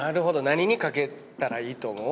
何に掛けたらいいと思う？